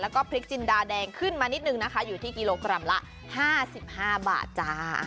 แล้วก็พริกจินดาแดงขึ้นมานิดนึงนะคะอยู่ที่กิโลกรัมละ๕๕บาทจ้า